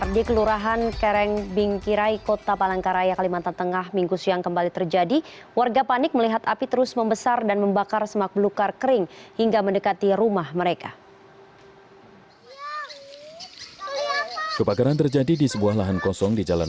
dinas kehutanan dan relawan ini menyiramkan air sebanyak banyaknya agar api dapat dipadamkan